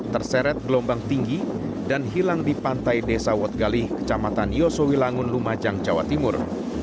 terseret gelombang tinggi dan hilang di pantai desa watgalih kecamatan yosowi langun lumajang jawa timur